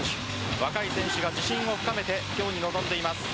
若い選手が自信を深めて今日に臨んでいます。